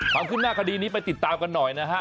ความคืบหน้าคดีนี้ไปติดตามกันหน่อยนะฮะ